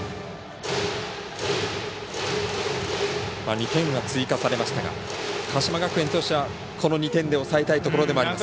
２点は追加されましたが鹿島学園としては、この２点で抑えたいところではあります。